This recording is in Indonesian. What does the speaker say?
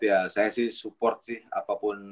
ya saya sih support sih apapun